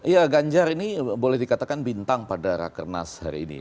ya ganjar ini boleh dikatakan bintang pada rakernas hari ini